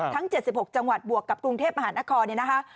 ทั้ง๗๖จังหวัดบวกกับกรุงเทพมหานครเนี่ยนะคะ